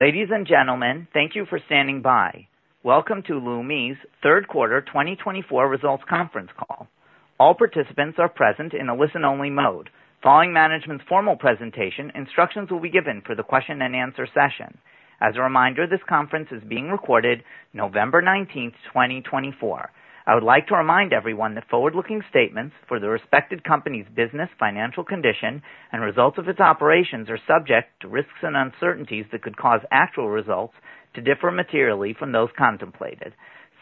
Ladies and gentlemen, thank you for standing by. Welcome to Leumi's Third Quarter 2024 results conference call. All participants are present in a listen-only mode. Following management's formal presentation, instructions will be given for the question-and-answer session. As a reminder, this conference is being recorded November 19th, 2024. I would like to remind everyone that forward-looking statements for the respective company's business financial condition and results of its operations are subject to risks and uncertainties that could cause actual results to differ materially from those contemplated.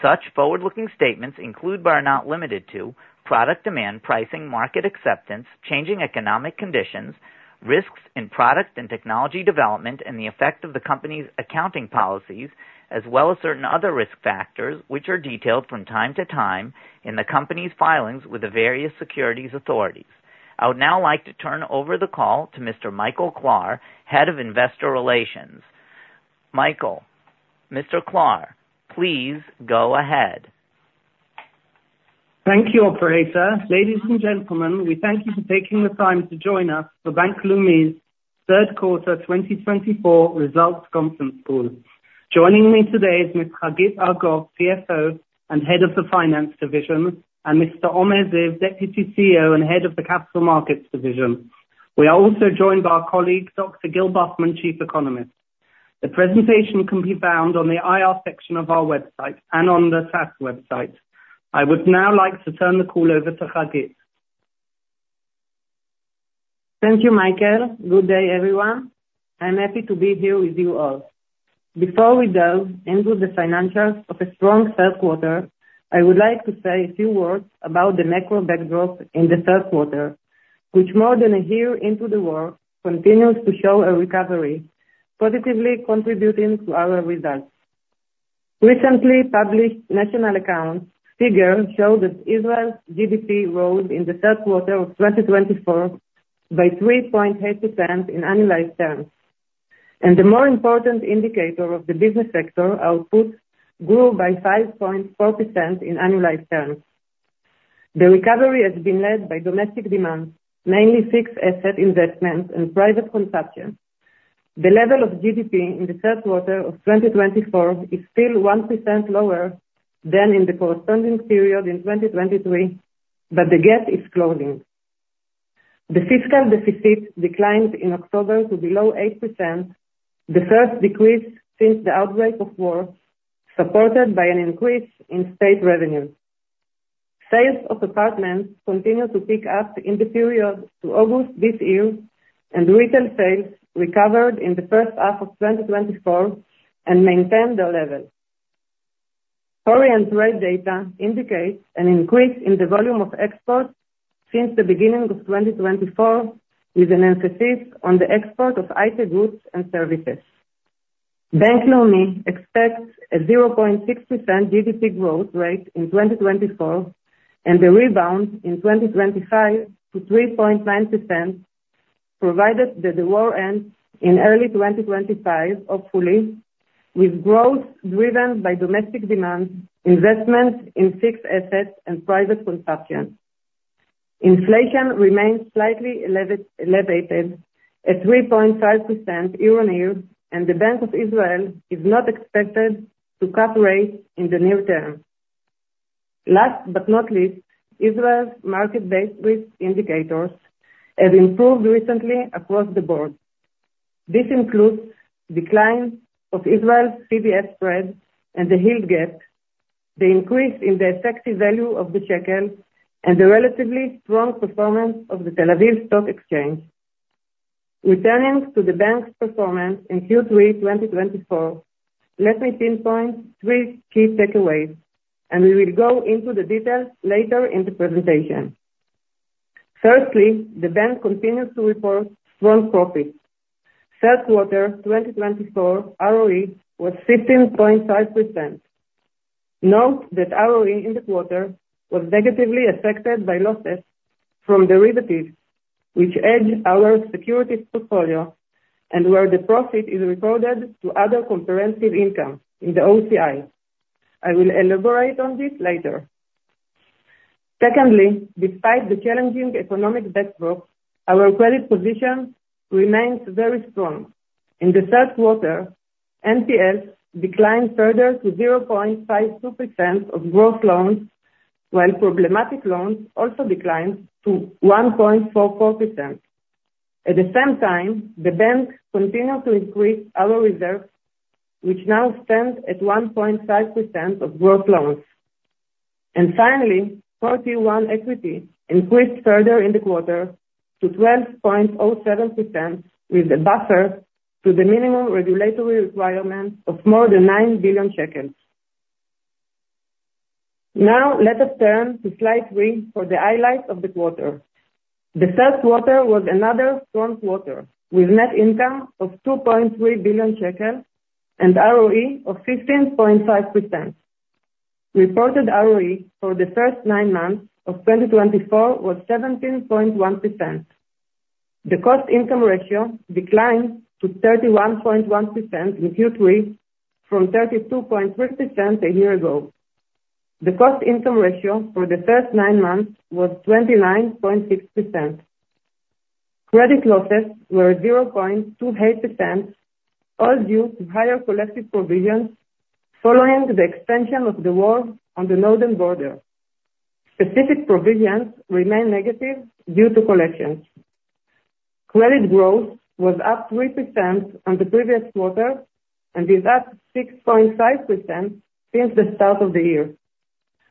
Such forward-looking statements include, but are not limited to, product demand, pricing, market acceptance, changing economic conditions, risks in product and technology development, and the effect of the company's accounting policies, as well as certain other risk factors which are detailed from time to time in the company's filings with the various securities authorities. I would now like to turn over the call to Mr. Michael Klahr, Head of Investor Relations. Michael, Mr. Klahr, please go ahead. Thank you, Operator. Ladies and gentlemen, we thank you for taking the time to join us for Bank Leumi's Third Quarter 2024 results conference call. Joining me today is Ms. Hagit Argov, CFO and Head of the Finance Division, and Mr. Omer Ziv, Deputy CEO and Head of the Capital Markets Division. We are also joined by our colleague, Dr. Gil Bufman, Chief Economist. The presentation can be found on the IR section of our website and on the TASE website. I would now like to turn the call over to Hagit. Thank you, Michael. Good day, everyone. I'm happy to be here with you all. Before we delve into the financials of a strong third quarter, I would like to say a few words about the macro backdrop in the third quarter, which, more than a year into the work, continues to show a recovery, positively contributing to our results. Recently published national accounts figures show that Israel's GDP rose in the third quarter of 2024 by 3.8% in annualized terms, and the more important indicator of the business sector output grew by 5.4% in annualized terms. The recovery has been led by domestic demand, mainly fixed asset investments and private consumption. The level of GDP in the third quarter of 2024 is still 1% lower than in the corresponding period in 2023, but the gap is closing. The fiscal deficit declined in October to below 8%, the first decrease since the outbreak of war, supported by an increase in state revenues. Sales of apartments continue to pick up in the period to August this year, and retail sales recovered in the first half of 2024 and maintained their levels. Israeli trade data indicates an increase in the volume of exports since the beginning of 2024, with an emphasis on the export of ICT goods and services. Bank Leumi expects a 0.6% GDP growth rate in 2024 and a rebound in 2025 to 3.9%, provided that the war ends in early 2025, hopefully, with growth driven by domestic demand, investment in fixed assets, and private consumption. Inflation remains slightly elevated at 3.5% year on year, and the Bank of Israel is not expected to cut rates in the near term. Last but not least, Israel's market-based risk indicators have improved recently across the board. This includes the decline of Israel's CDS spread and the yield gap, the increase in the effective value of the shekel, and the relatively strong performance of the Tel Aviv Stock Exchange. Returning to the bank's performance in Q3 2024, let me pinpoint three key takeaways, and we will go into the details later in the presentation. Firstly, the bank continues to report strong profits. Third quarter 2024 ROE was 15.5%. Note that ROE in the quarter was negatively affected by losses from derivatives, which hedge our securities portfolio and where the profit is recorded to other comprehensive income in the OCI. I will elaborate on this later. Secondly, despite the challenging economic backdrop, our credit position remains very strong. In the third quarter, NPLs declined further to 0.52% of gross loans, while problematic loans also declined to 1.44%. At the same time, the bank continued to increase our reserves, which now stand at 1.5% of gross loans. And finally, Core Tier 1 equity increased further in the quarter to 12.07%, with a buffer to the minimum regulatory requirement of more than 9 billion shekels. Now let us turn to slide three for the highlights of the quarter. The third quarter was another strong quarter, with net income of 2.3 billion shekels and ROE of 15.5%. Reported ROE for the first nine months of 2024 was 17.1%. The cost-income ratio declined to 31.1% in Q3 from 32.3% a year ago. The cost-income ratio for the first nine months was 29.6%. Credit losses were 0.28%, all due to higher collective provisions following the extension of the war on the northern border. Specific provisions remain negative due to collections. Credit growth was up 3% on the previous quarter and is up 6.5% since the start of the year.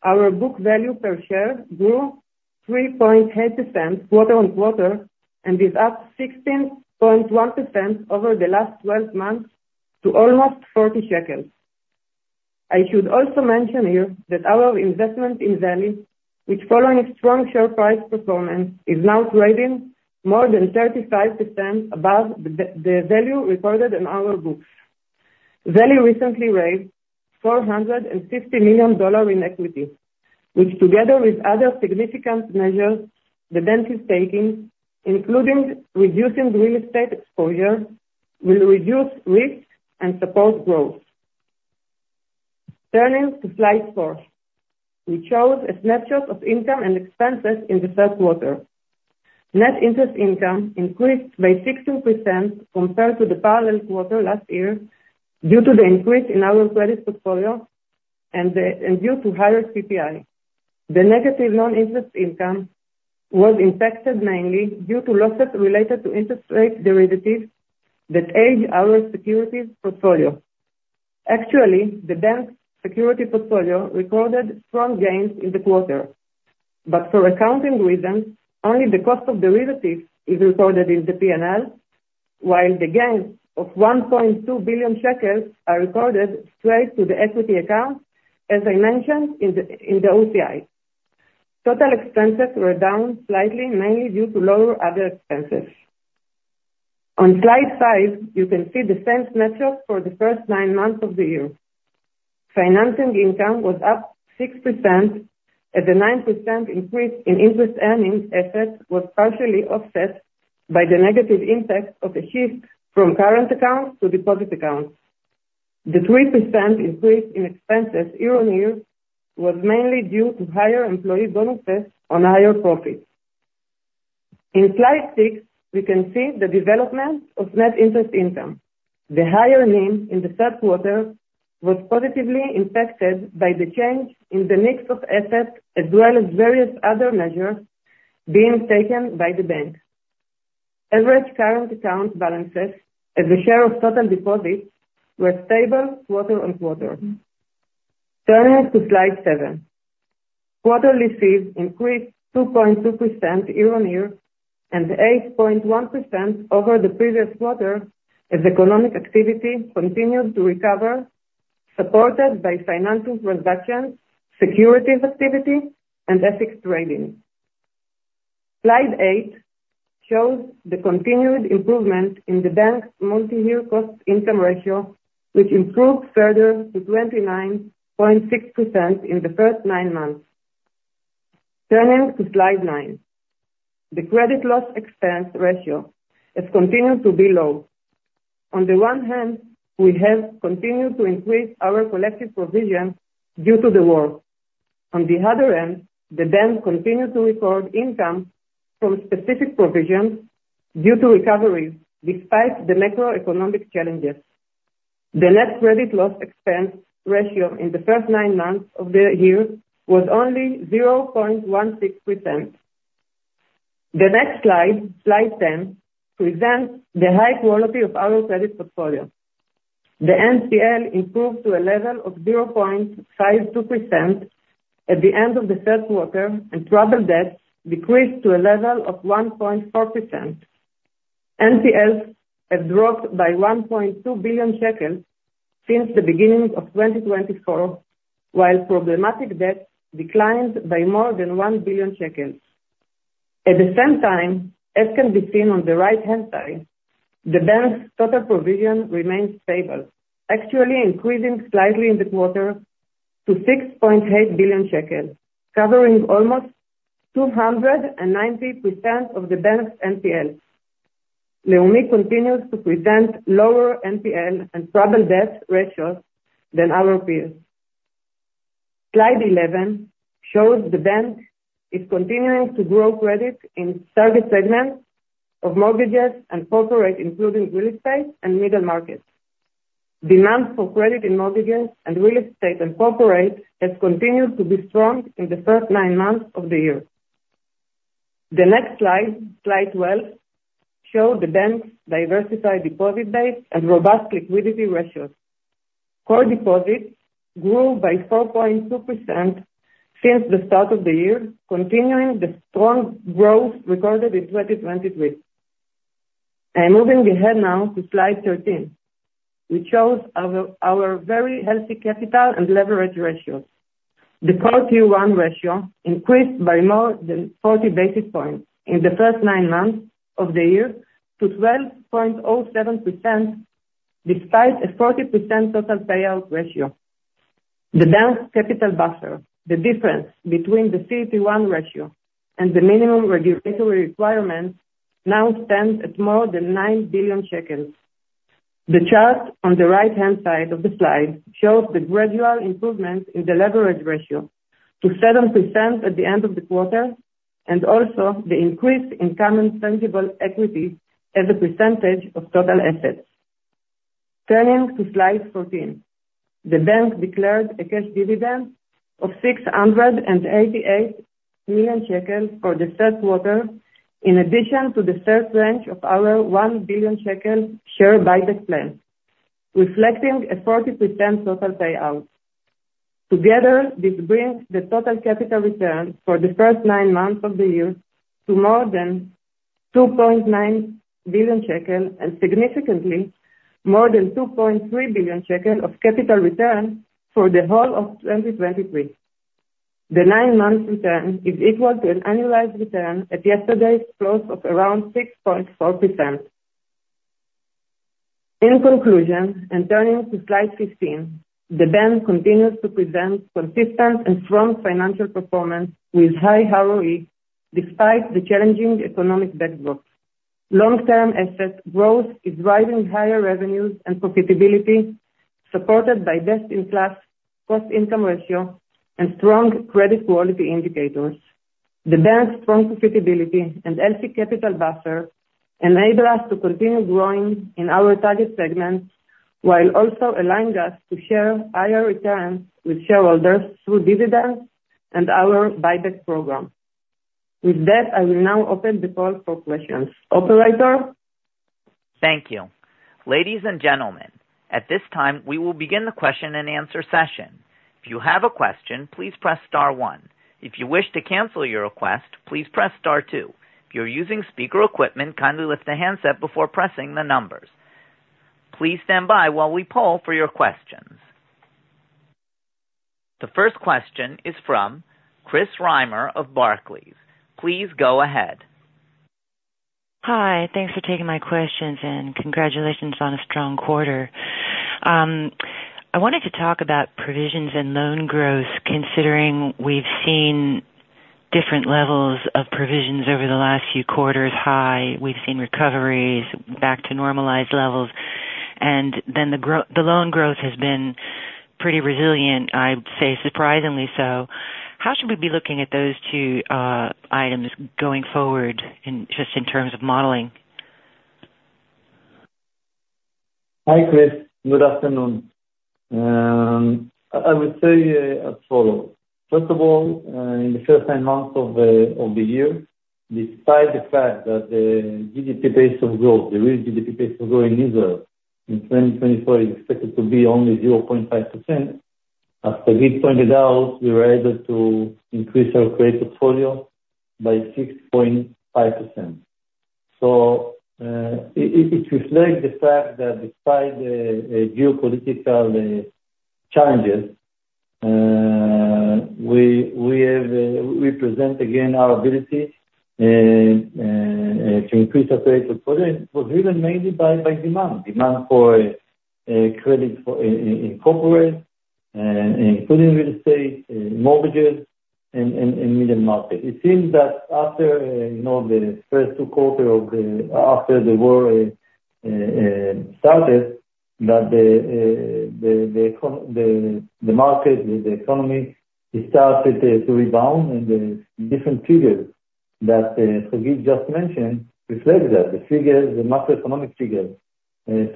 Our book value per share grew 3.8% quarter on quarter and is up 16.1% over the last 12 months to almost 40 shekels. I should also mention here that our investment in Valley, which, following strong share price performance, is now trading more than 35% above the value recorded in our books. Valley recently raised $450 million in equity, which, together with other significant measures the bank is taking, including reducing real estate exposure, will reduce risk and support growth. Turning to slide four, we chose a snapshot of income and expenses in the third quarter. Net interest income increased by 16% compared to the parallel quarter last year due to the increase in our credit portfolio and due to higher CPI. The negative non-interest income was impacted mainly due to losses related to interest rate derivatives that hedge our securities portfolio. Actually, the bank's securities portfolio recorded strong gains in the quarter, but for accounting reasons, only the cost of derivatives is recorded in the P&L, while the gains of 1.2 billion shekels are recorded straight to the equity account, as I mentioned in the OCI. Total expenses were down slightly, mainly due to lower other expenses. On slide five, you can see the same snapshot for the first nine months of the year. Financing income was up 6%, and the 9% increase in interest earning assets was partially offset by the negative impact of a shift from current accounts to deposit accounts. The 3% increase in expenses year on year was mainly due to higher employee bonuses on higher profits. In slide six, we can see the development of net interest income. The higher NIM in the third quarter was positively impacted by the change in the mix of assets, as well as various other measures being taken by the bank. Average current account balances and the share of total deposits were stable quarter on quarter. Turning to slide seven, quarterly fees increased 2.2% year on year and 8.1% over the previous quarter as economic activity continued to recover, supported by financial transactions, securities activity, and FX trading. Slide eight shows the continued improvement in the bank's multi-year cost-income ratio, which improved further to 29.6% in the first nine months. Turning to slide nine, the credit loss expense ratio has continued to be low. On the one hand, we have continued to increase our collective provision due to the war. On the other hand, the bank continues to record income from specific provisions due to recovery despite the macroeconomic challenges. The net credit loss expense ratio in the first nine months of the year was only 0.16%. The next slide, slide 10, presents the high quality of our credit portfolio. The NPL improved to a level of 0.52% at the end of the third quarter, and troubled debts decreased to a level of 1.4%. NPLs have dropped by 1.2 billion shekels since the beginning of 2024, while problematic debts declined by more than 1 billion shekels. At the same time, as can be seen on the right-hand side, the bank's total provision remains stable, actually increasing slightly in the quarter to 6.8 billion shekels, covering almost 290% of the bank's NPL. Leumi continues to present lower NPL and troubled debt ratios than our peers. Slide 11 shows the bank is continuing to grow credit in target segments of mortgages and corporate, including real estate and middle markets. Demand for credit in mortgages and real estate and corporate has continued to be strong in the first nine months of the year. The next slide, slide 12, shows the bank's diversified deposit base and robust liquidity ratios. Core deposits grew by 4.2% since the start of the year, continuing the strong growth recorded in 2023. I'm moving ahead now to slide 13, which shows our very healthy capital and leverage ratios. The core tier 1 ratio increased by more than 40 basis points in the first nine months of the year to 12.07%, despite a 40% total payout ratio. The bank's capital buffer, the difference between the CET1 ratio and the minimum regulatory requirements, now stands at more than 9 billion shekels. The chart on the right-hand side of the slide shows the gradual improvement in the leverage ratio to 7% at the end of the quarter, and also the increase in common tangible equity as a percentage of total assets. Turning to slide 14, the bank declared a cash dividend of 688 million shekels for the third quarter, in addition to the third tranche of our 1 billion shekels share buyback plan, reflecting a 40% total payout. Together, this brings the total capital return for the first nine months of the year to more than 2.9 billion shekel and significantly more than 2.3 billion shekel of capital return for the whole of 2023. The nine-month return is equal to an annualized return at yesterday's close of around 6.4%. In conclusion, and turning to slide 15, the bank continues to present consistent and strong financial performance with high ROE, despite the challenging economic backdrop. Long-term asset growth is driving higher revenues and profitability, supported by best-in-class cost-income ratio and strong credit quality indicators. The bank's strong profitability and healthy capital buffer enable us to continue growing in our target segments, while also allowing us to share higher returns with shareholders through dividends and our buyback program. With that, I will now open the call for questions. Operator. Thank you. Ladies and gentlemen, at this time, we will begin the question-and-answer session. If you have a question, please press star one. If you wish to cancel your request, please press star two. If you're using speaker equipment, kindly lift the handset before pressing the numbers. Please stand by while we poll for your questions. The first question is from Chris Reimer of Barclays. Please go ahead. Hi, thanks for taking my questions and congratulations on a strong quarter. I wanted to talk about provisions and loan growth, considering we've seen different levels of provisions over the last few quarters. High, we've seen recoveries back to normalized levels, and then the loan growth has been pretty resilient, I'd say surprisingly so. How should we be looking at those two items going forward just in terms of modeling? Hi, Chris. Good afternoon. I would say as follows. First of all, in the first nine months of the year, despite the fact that the GDP base of growth, the real GDP base of growth in Israel in 2024, is expected to be only 0.5%, as Hagit pointed out, we were able to increase our credit portfolio by 6.5%. It reflects the fact that despite geopolitical challenges, we present again our ability to increase our credit portfolio. It was driven mainly by demand, demand for credit in corporate, including real estate, mortgages, and middle market. It seems that after the first two quarters after the war started, that the market, the economy, started to rebound, and the different figures that Hagit just mentioned reflect that the figures, the macroeconomic figures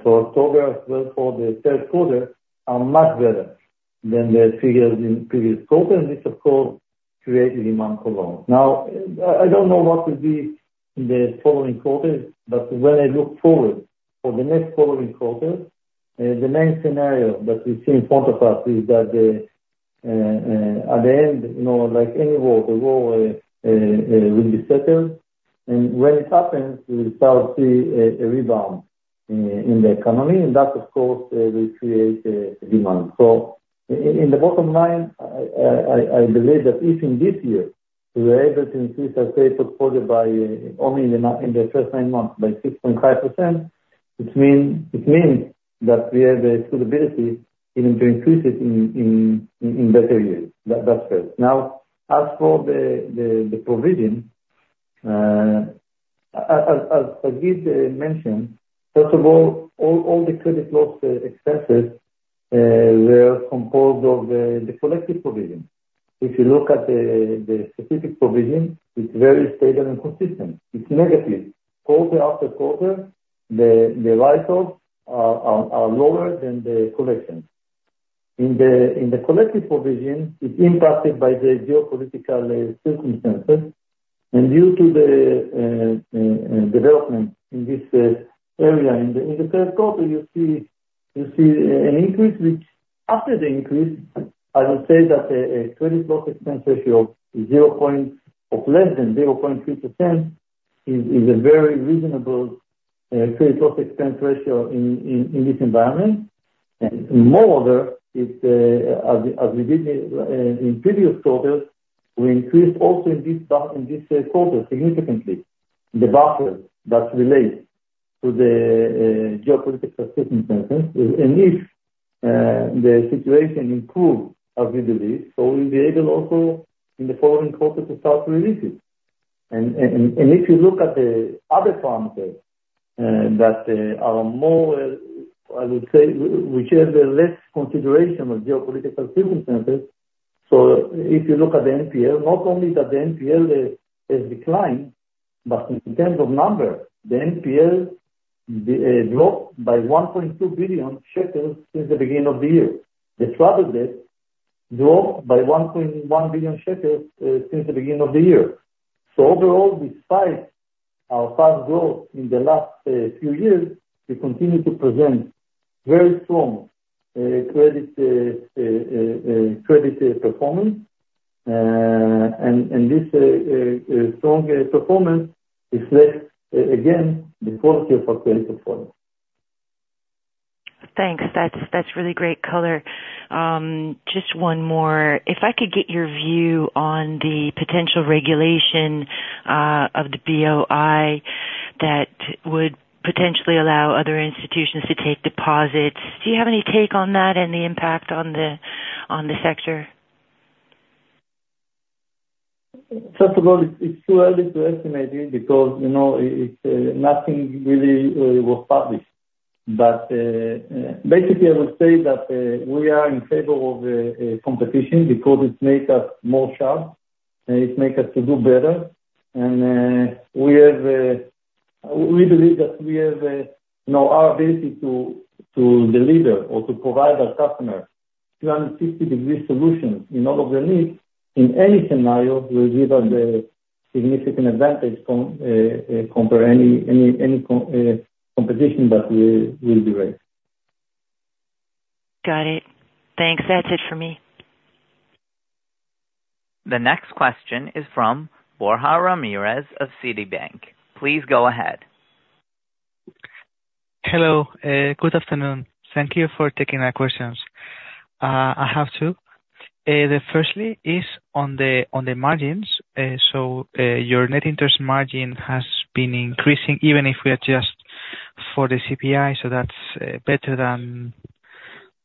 for October of the third quarter are much better than the figures in previous quarters, which, of course, created demand for loans. Now, I don't know what will be in the following quarters, but when I look forward for the next following quarter, the main scenario that we see in front of us is that at the end, like any war, the war will be settled. And when it happens, we start to see a rebound in the economy, and that, of course, will create demand. So in the bottom line, I believe that if in this year we were able to increase our credit portfolio by only in the first nine months by 6.5%, it means that we have the capability even to increase it in better years. That's first. Now, as for the provision, as Hagit mentioned, first of all, all the credit loss expenses were composed of the collective provision. If you look at the specific provision, it's very stable and consistent. It's negative. Quarter after quarter, the write-offs are lower than the collections. In the collective provision, it's impacted by the geopolitical circumstances, and due to the development in this area, in the third quarter, you see an increase, which, after the increase, I would say that a credit loss expense ratio of less than 0.3% is a very reasonable credit loss expense ratio in this environment, and moreover, as we did in previous quarters, we increased also in this quarter significantly the buffer that relates to the geopolitical circumstances, and if the situation improves, as we believe, so we'll be able also in the following quarter to start releasing, and if you look at the other parameters that are more, I would say, which have less consideration of geopolitical circumstances, so if you look at the NPL, not only that the NPL has declined, but in terms of numbers, the NPL dropped by 1.2 billion shekels since the beginning of the year. The troubled debt dropped by 1.1 billion shekels since the beginning of the year. So overall, despite our fast growth in the last few years, we continue to present very strong credit performance. And this strong performance reflects, again, the quality of our credit portfolio. Thanks. That's really great color. Just one more. If I could get your view on the potential regulation of the BOI that would potentially allow other institutions to take deposits, do you have any take on that and the impact on the sector? First of all, it's too early to estimate it because nothing really was published. But basically, I would say that we are in favor of competition because it makes us more sharp, and it makes us do better. And we believe that we have our ability to deliver or to provide our customers 360-degree solutions in all of their needs. In any scenario, we'll give us a significant advantage compared to any competition that will be raised. Got it. Thanks. That's it for me. The next question is from Borja Ramirez of Citibank. Please go ahead. Hello. Good afternoon. Thank you for taking my questions. I have two. The firstly is on the margins. So your net interest margin has been increasing, even if we adjust for the CPI, so that's better than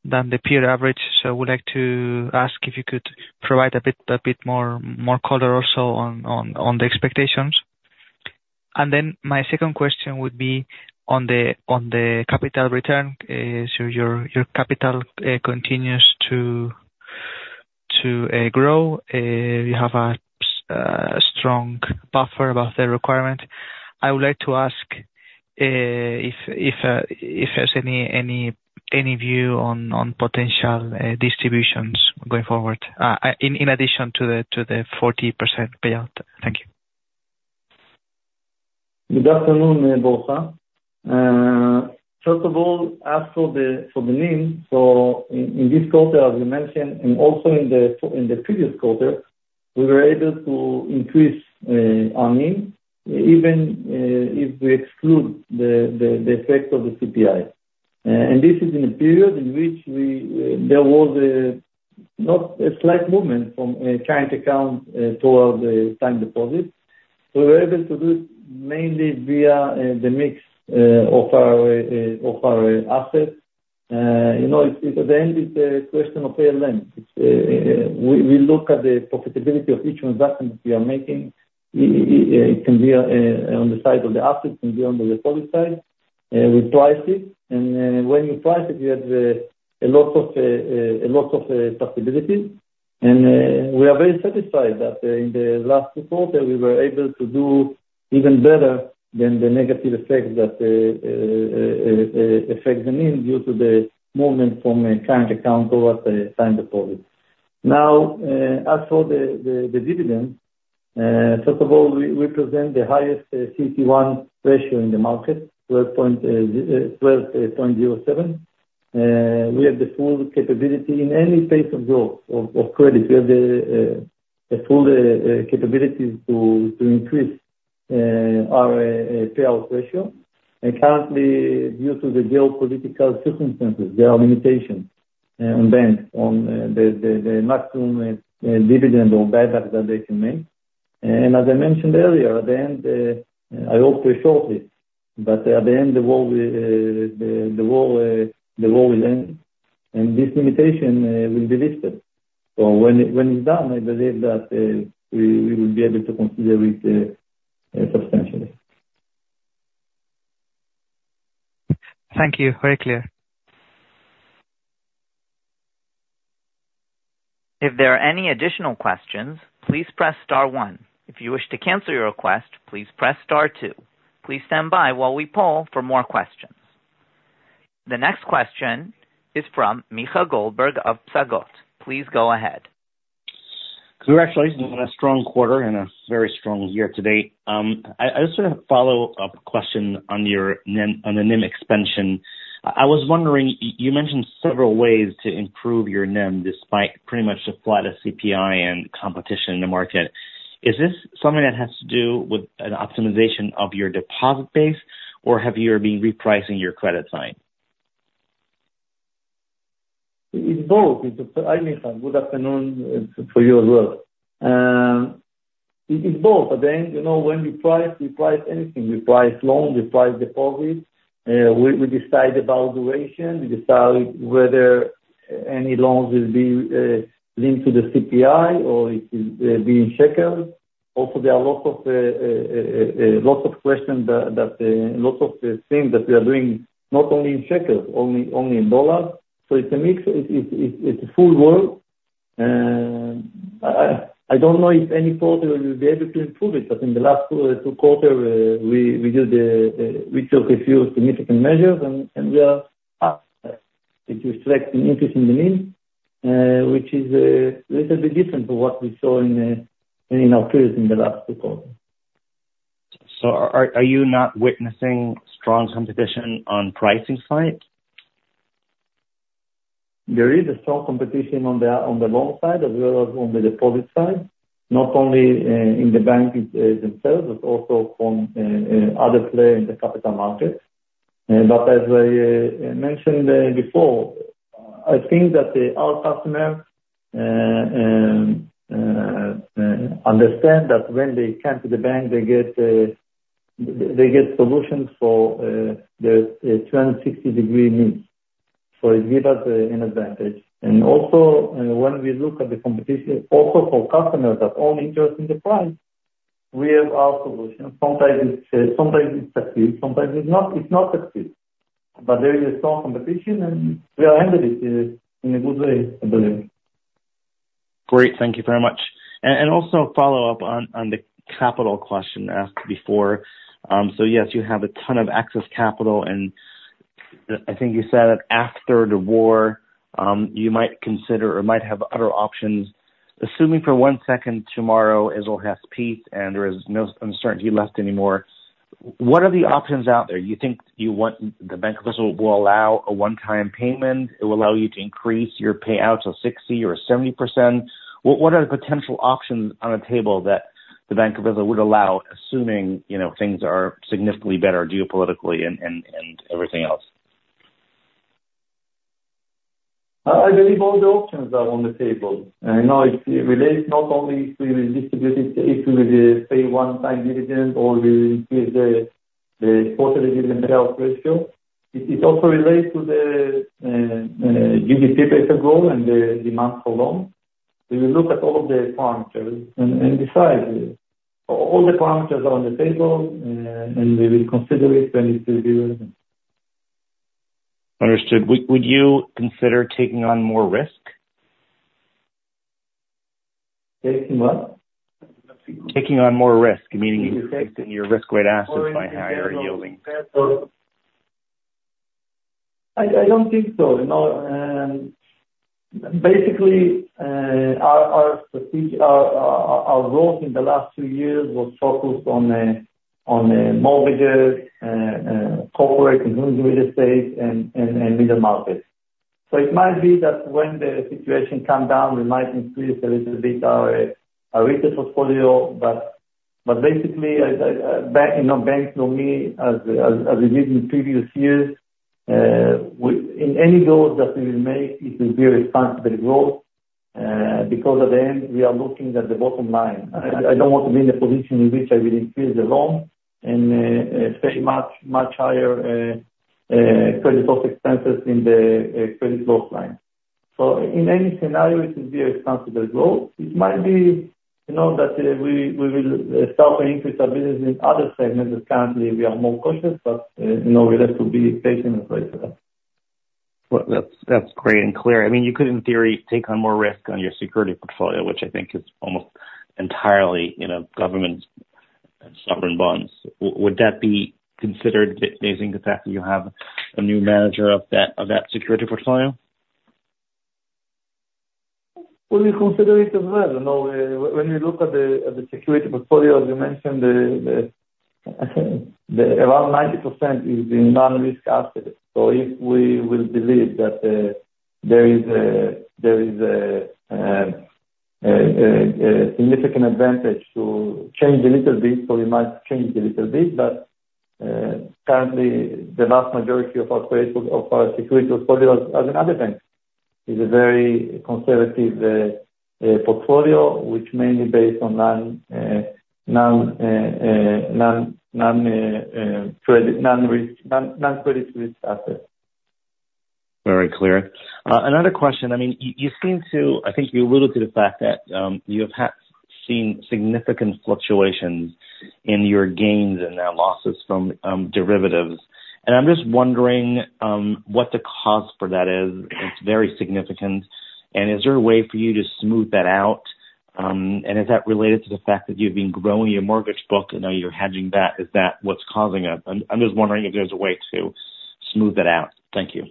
the peer average. So I would like to ask if you could provide a bit more color also on the expectations. And then my second question would be on the capital return. So your capital continues to grow, you have a strong buffer above the requirement. I would like to ask if there's any view on potential distributions going forward, in addition to the 40% payout. Thank you. Good afternoon, Borja. First of all, as for the NIM, so in this quarter, as we mentioned, and also in the previous quarter, we were able to increase our NIM, even if we exclude the effect of the CPI. And this is in a period in which there was not a slight movement from current account toward the time deposit. We were able to do it mainly via the mix of our assets. At the end, it's a question of pay and lend. We look at the profitability of each transaction that we are making. It can be on the side of the assets, it can be on the deposit side. We price it. And when you price it, you have a lot of possibilities. And we are very satisfied that in the last two quarters, we were able to do even better than the negative effect that affects the NIM due to the movement from current account toward time deposit. Now, as for the dividends, first of all, we present the highest CET1 ratio in the market, 12.07. We have the full capability in any space of growth of credit. We have the full capability to increase our payout ratio. And currently, due to the geopolitical circumstances, there are limitations on banks on the maximum dividend or buyback that they can make. And as I mentioned earlier, at the end, I hope very shortly, but at the end, the war will end, and this limitation will be lifted. So when it's done, I believe that we will be able to consider it substantially. Thank you. Very clear. If there are any additional questions, please press star one. If you wish to cancel your request, please press star two. Please stand by while we poll for more questions. The next question is from Micha Goldberg of Psagot. Please go ahead. Congratulations on a strong quarter and a very strong year to date. I just want to follow up a question on the NIM expansion. I was wondering, you mentioned several ways to improve your NIM despite pretty much a flat CPI and competition in the market. Is this something that has to do with an optimization of your deposit base, or have you been repricing your credit line? It's both. Good afternoon for you as well. It's both. At the end, when we price, we price anything. We price loans, we price deposits. We decide about duration. We decide whether any loans will be linked to the CPI or it will be in shekels. Also, there are lots of questions that lots of things that we are doing not only in shekels, only in dollars. So it's a mixed. It's a full world. I don't know if any quarter we'll be able to improve it, but in the last two quarters, we took a few significant measures, and we are up. It reflects an interest in the NIM, which is a little bit different from what we saw in our period in the last two quarters. So are you not witnessing strong competition on pricing side? There is a strong competition on the loan side as well as on the deposit side, not only in the bank themselves, but also from other players in the capital markets. But as I mentioned before, I think that our customers understand that when they come to the bank, they get solutions for their 360-degree needs. So it gives us an advantage. And also, when we look at the competition, also for customers that are only interested in the price, we have our solutions. Sometimes it's successful, sometimes it's not successful. But there is a strong competition, and we are handling it in a good way, I believe. Great. Thank you very much. And also follow up on the capital question asked before. So yes, you have a ton of excess capital, and I think you said that after the war, you might consider or might have other options. Assuming for one second tomorrow, it'll have peace and there is no uncertainty left anymore, what are the options out there? You think the Bank of Israel will allow a one-time payment? It will allow you to increase your payouts of 60% or 70%? What are the potential options on the table that the Bank of Israel would allow, assuming things are significantly better geopolitically and everything else? I believe all the options are on the table. And it relates not only if we distribute it, if we will pay one-time dividend or we will increase the quarterly dividend payout ratio. It also relates to the GDP basic goal and the demand for loans. We will look at all of the parameters and decide. All the parameters are on the table, and we will consider it when it will be relevant. Understood. Would you consider taking on more risk? Taking what? Taking on more risk, meaning increasing your risk-weighted assets by higher yielding. I don't think so. Basically, our growth in the last two years was focused on mortgages, corporate and home real estate, and middle markets. So it might be that when the situation comes down, we might increase a little bit our retail portfolio. But basically, Bank Leumi as we did in previous years. In any growth that we will make, it will be a responsible growth because at the end, we are looking at the bottom line. I don't want to be in a position in which I will increase the loan and pay much higher credit loss expenses in the credit loss line. So in any scenario, it will be a responsible growth. It might be that we will start to increase our business in other segments that currently we are more cautious, but we'll have to be patient and wait for that. That's great and clear. I mean, you could, in theory, take on more risk on your securities portfolio, which I think is almost entirely government and sovereign bonds. Would that be considered based on the fact that you have a new manager of that securities portfolio? We will consider it as well. When we look at the securities portfolio, as we mentioned, around 90% is in non-risk assets. So if we will believe that there is a significant advantage to change a little bit, so we might change a little bit. But currently, the vast majority of our securities portfolio as any other bank is a very conservative portfolio, which is mainly based on non-credit risk assets. Very clear. Another question. I mean, you seem to, I think you alluded to the fact that you have seen significant fluctuations in your gains and now losses from derivatives. I'm just wondering what the cause for that is. It's very significant. Is there a way for you to smooth that out? Is that related to the fact that you've been growing your mortgage book and now you're hedging that? Is that what's causing it? I'm just wondering if there's a way to smooth that out. Thank you.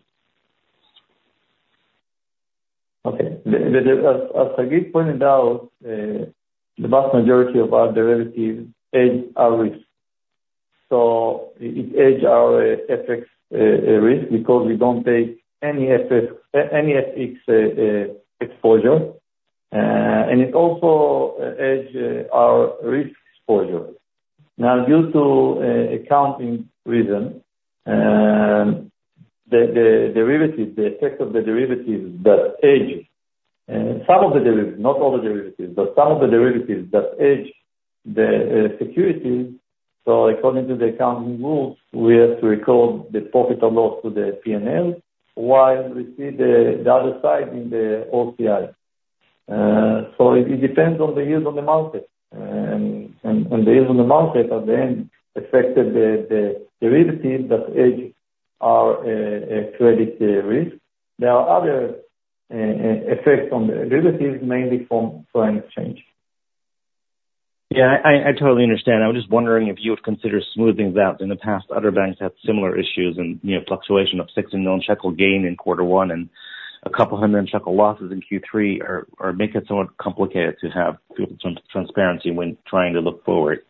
Okay. As Hagit pointed out, the vast majority of our derivatives hedge our risk. It hedges our FX risk because we don't take any FX exposure. It also hedges our risk exposure. Now, due to accounting reasons, the effect of the derivatives that hedge some of the derivatives, not all the derivatives, but some of the derivatives that hedge the securities. According to the accounting rules, we have to record the profit or loss to the P&L while we see the other side in the OCI. So it depends on the yield on the market. And the yield on the market at the end affected the derivatives that hedge our credit risk. There are other effects on the derivatives, mainly from foreign exchange. Yeah, I totally understand. I was just wondering if you would consider smoothing that. In the past, other banks had similar issues and fluctuation of 600 million shekel gain in quarter one and a couple of hundred-million-shekel losses in Q3 or make it somewhat complicated to have some transparency when trying to look forward.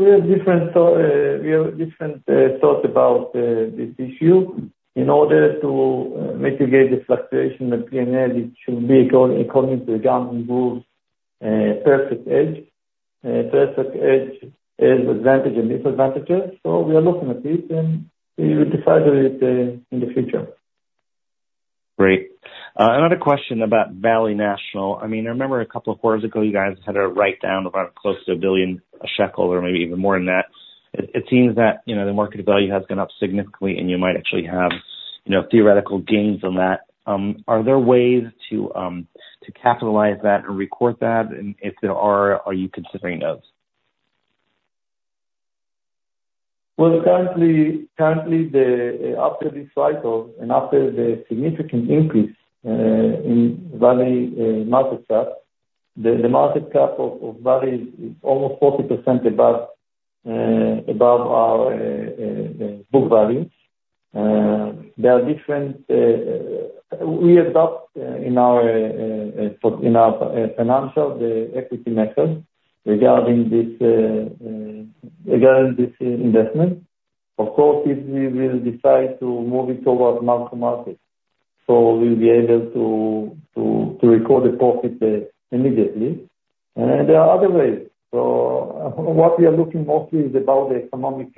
We have different thoughts about this issue. In order to mitigate the fluctuation in the P&L, it should be according to the accounting rules, perfect hedge. Perfect hedge has advantages and disadvantages. So we are looking at it, and we will decide on it in the future. Great. Another question about Valley National. I mean, I remember a couple of quarters ago, you guys had a write-down of close to 1 billion shekel or maybe even more than that. It seems that the market value has gone up significantly, and you might actually have theoretical gains on that. Are there ways to capitalize that and record that? And if there are, are you considering those? Well, currently, after this cycle and after the significant increase in Valley market cap, the market cap of Valley is almost 40% above our book values. There are different ways we adopt in our financials, the equity method regarding this investment. Of course, if we will decide to move it towards public markets, so we'll be able to record the profit immediately. And there are other ways. So what we are looking mostly is about the economic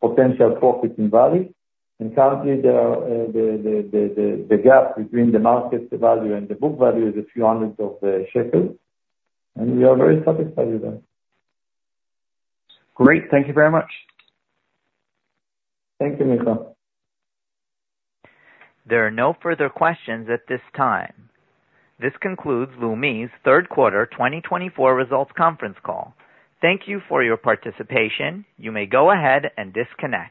potential profit in Valley. Currently, the gap between the market value and the book value is a few hundred shekels. We are very satisfied with that. Great. Thank you very much. Thank you, Michael. There are no further questions at this time. This concludes Leumi's third quarter 2024 results conference call. Thank you for your participation. You may go ahead and disconnect.